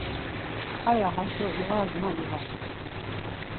Haya haşo ivasna ivas.